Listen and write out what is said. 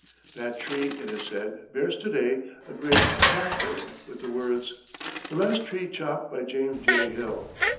That tree, it is said, bears to day a great placard with the words, "The last tree chopped by James J. Hill."